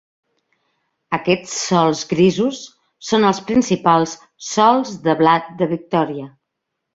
Aquests sòls grisos són els principals sòls de blat de Victòria.